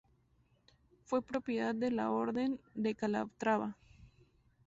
Fue propiedad de la Orden de Calatrava.